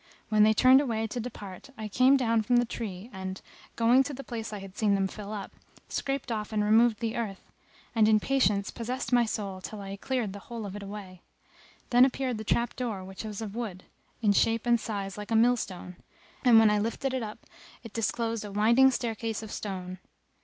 When they turned away to depart, I came down from the tree and, going to the place I had seen them fill up, scraped off and removed the earth; and in patience possessed my soul till I had cleared the whole of it away. Then appeared the trap door which was of wood, in shape and size like a millstone; and when I lifted it up it disclosed a winding staircase of stone.